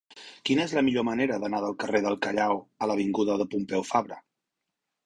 Quina és la millor manera d'anar del carrer del Callao a l'avinguda de Pompeu Fabra?